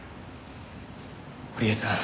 堀江さん。